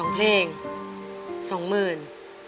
๒เพลง๒หมื่น